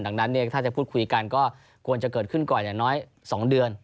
ดังนั้นถ้าจะพูดคุยกันก็ควรจะเกิดขึ้นก่อนอย่างน้อย๒เดือน